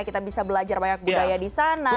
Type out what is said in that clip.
kita bisa belajar banyak budaya di sana